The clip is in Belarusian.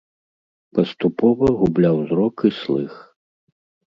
Паступова губляў зрок і слых.